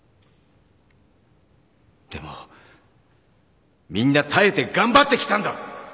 でもみんな耐えて頑張ってきたんだ！